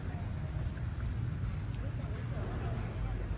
หรือกล้องกล้องมือ